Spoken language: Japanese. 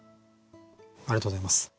ありがとうございます。